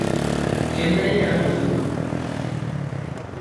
চেন্নাইয়ে আমি নতুন।